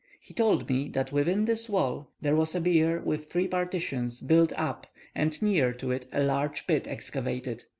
He told me that within this wall there was a bier, with three partitions, built up, and near to it a large pit excavated.